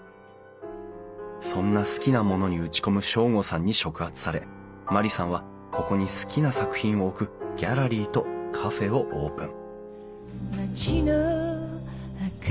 そんな好きなものに打ち込む省吾さんに触発され万里さんはここに好きな作品を置くギャラリーとカフェをオープン